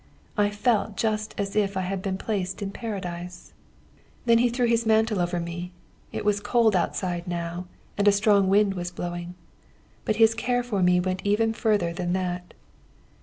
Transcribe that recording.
"I felt just as if I had been placed in Paradise. "Then he threw his mantle over me. It was cold outside now, and a strong wind was blowing. "But his care for me went even further than that.